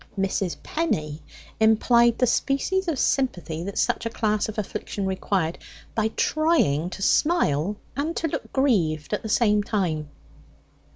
Mrs. Penny implied the species of sympathy that such a class of affliction required, by trying to smile and to look grieved at the same time.